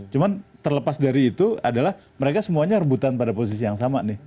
cuma terlepas dari itu adalah mereka semuanya rebutan pada posisi yang sama nih